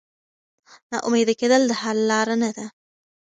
نا امیده کېدل د حل لاره نه ده.